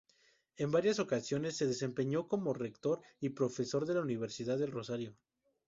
En varias ocasiones se desempeñó como rector y profesor de la Universidad del Rosario.